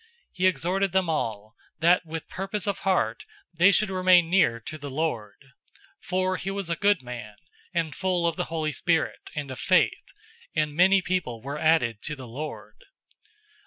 He exhorted them all, that with purpose of heart they should remain near to the Lord. 011:024 For he was a good man, and full of the Holy Spirit and of faith, and many people were added to the Lord.